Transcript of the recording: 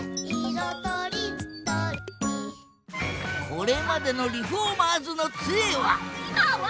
これまでの「リフォーマーズの杖」は今は！